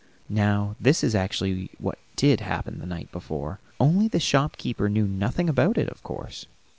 Now this is actually what did happen the night before, only the shopkeeper knew nothing about it, of course.